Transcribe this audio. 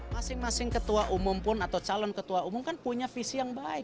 masing masing ketua umum pun atau calon ketua umum kan punya visi yang baik